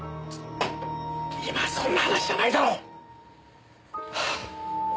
今そんな話じゃないだろう！はあ。